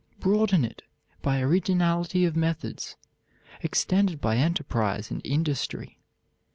Broaden it by originality of methods. Extend it by enterprise and industry.